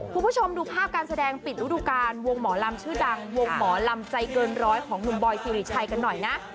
คุณผู้ชมดูภาพการแสดงปิดฤดูการวงหมอลำชื่อดังวงหมอลำใจเกินร้อยของหนุ่มบอยสิริชัยกันหน่อยนะ